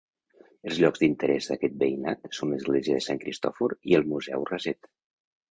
Els llocs d'interès d'aquest veïnat són l'església de Sant Cristòfor i el Museu Raset.